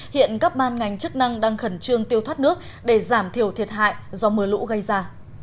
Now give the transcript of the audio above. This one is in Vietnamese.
hiện các ban ngành chức năng đang khẩn trương tiêu thoát nước để giảm thiểu thiệt hại do mưa lũ gây ra